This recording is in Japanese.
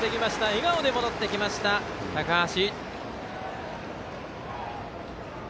笑顔で戻ってきました、高橋。